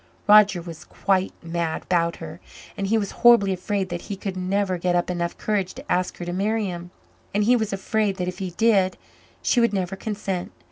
Roger was quite mad about her, and he was horribly afraid that he could never get up enough courage to ask her to marry him. And he was afraid that if he did, she would never consent.